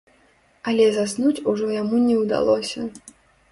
Але заснуць ужо яму не ўдалося.